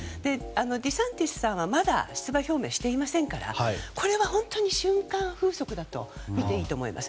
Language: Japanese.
デサンティスさんはまだ出馬表明していませんからこれは本当に瞬間風速だと見ていいと思います。